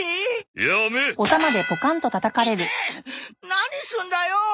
何すんだよ！